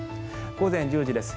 午前１０時です。